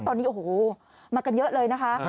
ตอนนี้โอ้โหมากันเยอะเลยนะคะ